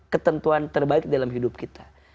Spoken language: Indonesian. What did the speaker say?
ketentuan terbaik dalam hidup kita